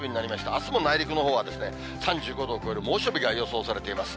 あすも内陸のほうは３５度を超える猛暑日が予想されています。